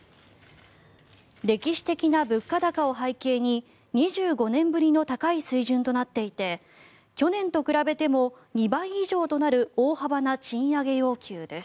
歴史的な物価高を背景に２５年ぶりの高い水準となっていて去年と比べても２倍以上となる大幅な賃上げ要求です。